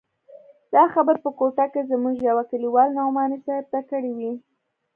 دا خبرې په کوټه کښې زموږ يوه کليوال نعماني صاحب ته کړې وې.